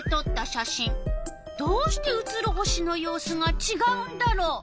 どうして写る星の様子がちがうんだろう？